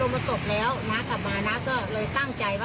พอบรมตกแล้วน้ากลับมาก็เลยตั้งใจว่า